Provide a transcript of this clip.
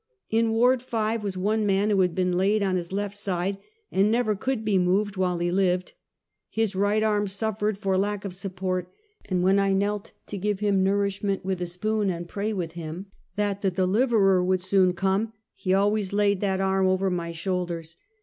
In Ward Five was one man who had been laid on his left side, and never could be moved while he lived. His right arm suffered for lack of support, and when I knelt to give him nourishment from a spoon, and pray with him that the deliverer would soon come, he always laid that arm over my shoulders.